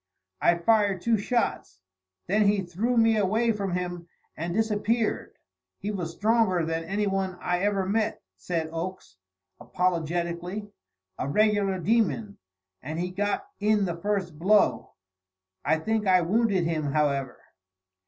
I fired two shots, then he threw me away from him and disappeared. He was stronger than anyone I ever met," said Oakes, apologetically, "a regular demon, and he got in the first blow. I think I wounded him, however."